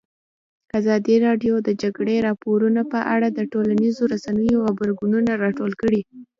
ازادي راډیو د د جګړې راپورونه په اړه د ټولنیزو رسنیو غبرګونونه راټول کړي.